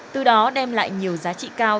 từ đó đem lại nhiều giá trị cao